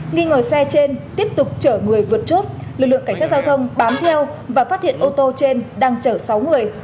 nghi ngờ xe trên tiếp tục chở người vượt chốt lực lượng cảnh sát giao thông bám theo và phát hiện ô tô trên đang chở sáu người